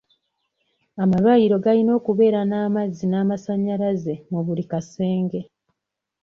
Amalwaliro galina okubeera n'amazzi n'amasanyalazze mu buli kasenge.